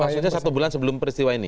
maksudnya satu bulan sebelum peristiwa ini